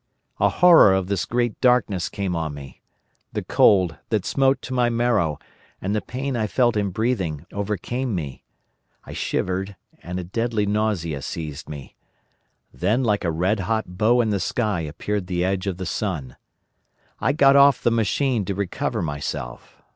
"A horror of this great darkness came on me. The cold, that smote to my marrow, and the pain I felt in breathing, overcame me. I shivered, and a deadly nausea seized me. Then like a red hot bow in the sky appeared the edge of the sun. I got off the machine to recover myself.